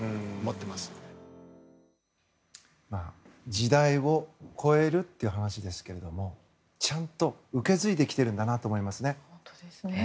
時代を超えるという話ですけどもちゃんと受け継いできてるんだなと思いますね。